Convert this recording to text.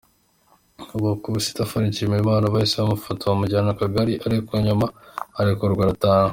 Uyu wakubise itafari Nshimiyimana bahise bamufata bamujyana ku kagari ariko nyuma ararekurwa arataha.